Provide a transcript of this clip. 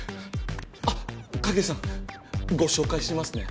あ影さんご紹介しますね。